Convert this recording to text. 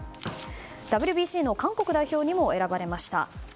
ＷＢＣの韓国代表にも選ばれました。